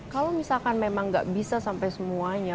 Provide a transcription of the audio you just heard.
kalau misalkan memang nggak bisa sampai semuanya